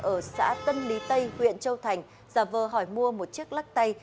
ở xã tân lý tây huyện châu thành giả vờ hỏi mua một chiếc lắc tay